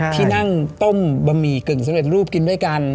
ที่นั่งต้มบะหมี่กึ่งสำเร็จรูปกินด้วยกัน